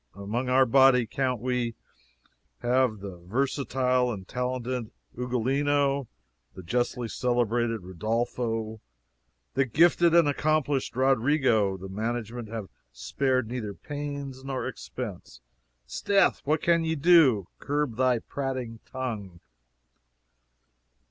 Among our body count we the versatile and talented Ugolino; the justly celebrated Rodolpho; the gifted and accomplished Roderigo; the management have spared neither pains nor expense " "S'death! What can ye do? Curb thy prating tongue."